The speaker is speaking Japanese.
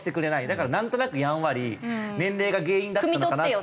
だからなんとなくやんわり年齢が原因だったのかなって。